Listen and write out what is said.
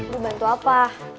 lo bantu apa